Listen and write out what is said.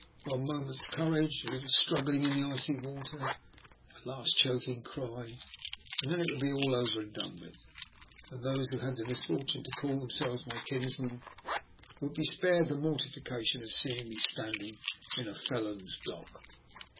One moment's courage, a little struggling in the icy water, a last choking cry, and then it would all be over and done with, and those who had the misfortune to call themselves my kins men would be spared the mortification of seeing me standing in a felon's dock.